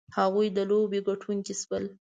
هغوی د لوبې ګټونکي شول.